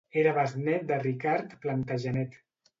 Era besnét de Ricard Plantagenet.